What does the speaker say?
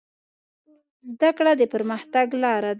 زده کړه د پرمختګ لاره ده.